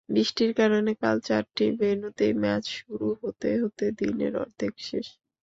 বৃষ্টির কারণে কাল চারটি ভেন্যুতেই ম্যাচ শুরু হতে হতে দিনের অর্ধেক শেষ।